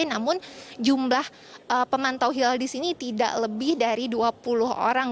namun jumlah pemantau hilal di sini tidak lebih dari dua puluh orang